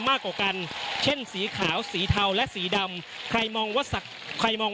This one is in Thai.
มากกว่ากันเช่นสีขาวสีเทาและสีดำใครมองว่าศักดิ์ใครมอง